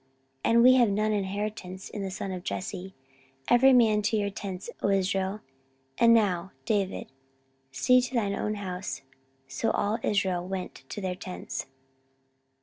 and we have none inheritance in the son of Jesse: every man to your tents, O Israel: and now, David, see to thine own house. So all Israel went to their tents.